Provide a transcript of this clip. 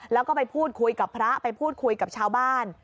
แล้วก็ไปพูดคุยกับพระไปพูดคุยกับชาวบ้าน